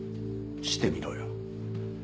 してみろよ。